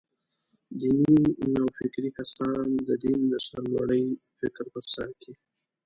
دیني نوفکري کسان «د دین د سرلوړۍ» فکر په سر کې.